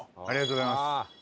ありがとうございます。